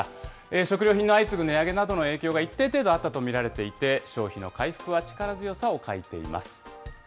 食料品の相次ぐ値上げなどの影響が一定程度あったと見られていて、消費の回復は力強さを欠いています。